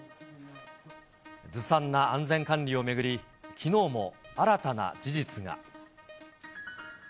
ずさんな安全管理を巡り、きのうも新たな事実が。